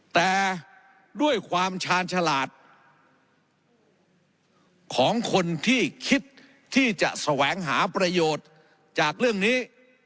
แต่ด้วยความชาญฉลาดของคนที่คิดที่จะแสวงหาประโยชน์จากเรื่องนี้